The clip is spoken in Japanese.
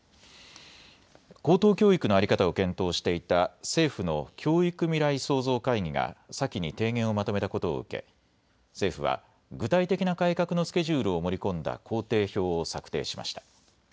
高等教育の在り方を検討していた政府の教育未来創造会議が先に提言をまとめたことを受け政府は具体的な改革のスケジュールを盛り込んだ工程表を策定しました。